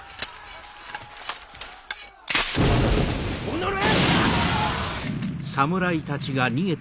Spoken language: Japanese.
おのれ！